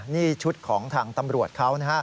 นี่ชุดของทางตำรวจเขานะฮะ